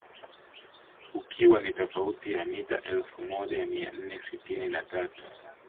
Ukiwa ni tofauti ya mita elfu moja mia nne sitini na tatu